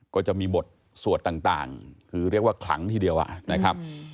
ก็จะมีบทสวดต่างคือเรียกว่าขลังทีเดียวนะครับ